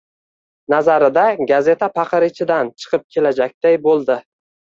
Nazarida, gazeta paqir ichidan... chiqib kelajakday bo‘ldi.